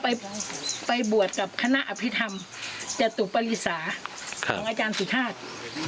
ไปไปบวชกับคณะอภิษฐรรมจตุปริศาของอาจารย์สุชาติ